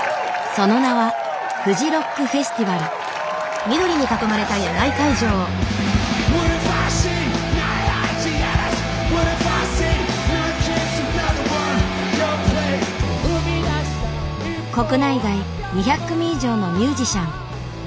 その名は国内外２００組以上のミュージシャン。